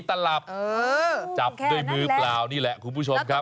เออแค่นั้นแหละจับด้วยมือเปล่านี่แหละคุณผู้ชมครับ